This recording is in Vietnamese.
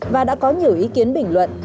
và đã có nhiều ý kiến bình luận